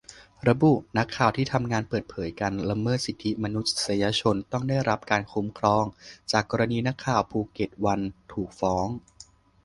ระบุ นักข่าวที่ทำงานเปิดเผยการละเมิดสิทธิมนุษยชนต้องได้รับการคุ้มครอง จากกรณีนักข่าวภูเก็ตวันถูกฟ้อง